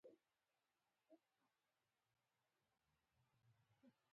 یوه فعالې مېرمن د کورنۍ د بیا یو ځای کولو لپاره کمپاین پیل کړ.